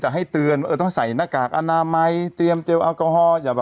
ตอนนี้สิ่งที่สำคัญอย่าติดดีกว่า